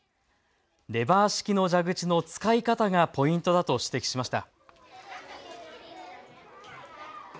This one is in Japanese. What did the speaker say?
レバー式の蛇口の使い方がポイントだと指摘しました。